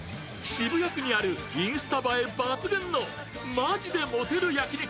渋谷区にあるインスタ映え抜群のマヂでモテる焼肉